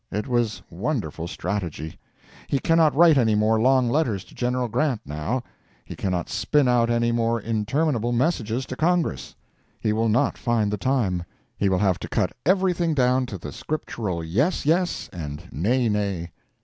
It was wonderful strategy. He cannot write any more long letters to Gen. Grant, now. He cannot spin out any more interminable messages to Congress. He will not find the time. He will have to cut everything down to the Scriptural yes, yes, and nay, nay.